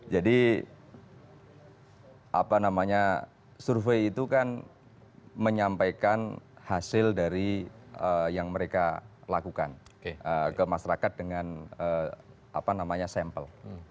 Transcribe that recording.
jadi apa namanya survei itu kan menyampaikan hasil dari yang mereka lakukan ke masyarakat dengan sampel